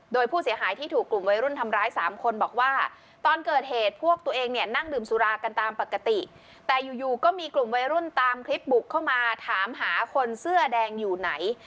โดยผู้เสียหายที่ถูกกลุ่มวัยรุ่นทำร้ายสามคนบอกว่าตอนเกิดเหตุพวกตัวเองเนี่ยนั่งดื่มสุรากันตามปกติแต่อยู่ก็มีกลุ่มวัยรุ่นตามคลิปบุกเข้ามาถามหาคนเสื้อแดงอยู่ไหน